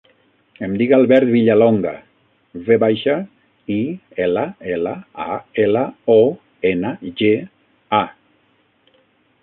Em dic Albert Villalonga: ve baixa, i, ela, ela, a, ela, o, ena, ge, a.